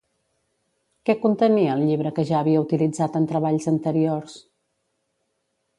Què contenia el llibre que ja havia utilitzat en treballs anteriors?